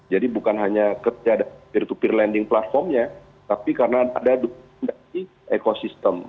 jadi bukan hanya kerja peer to peer lending platformnya tapi karena ada di ekosistem